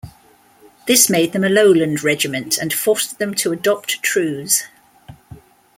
This made them a Lowland Regiment and forced them to adopt trews.